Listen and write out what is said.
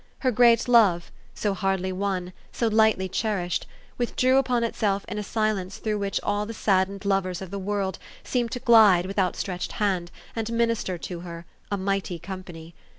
Her great love so hardly won, so lightly cherished withdrew upon itself in a silence through which all the saddened lovers of the world seemed to glide with outstretched hand, and minister to her, a mighty company.